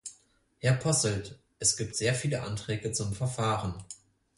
Herr Posselt, es gibt sehr viele Anträge zum Verfahren.